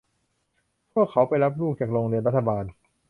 พวกเขาไปรับลูกจากโรงเรียนรัฐบาล